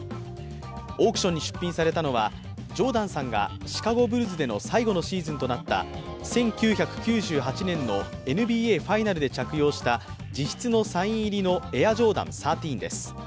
オークションに出品されたのはジョーダンさんがシカゴ・ブルズでの最後のシーズンとなった１９９８年のＮＢＡファイナルで着用した自筆のサイン入りのエアジョーダン１３です。